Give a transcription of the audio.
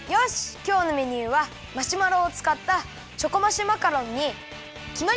きょうのメニューはマシュマロをつかったチョコマシュマカロンにきまり！